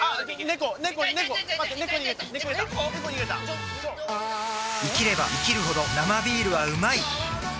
ネコ逃げた生きれば生きるほど「生ビール」はうまい！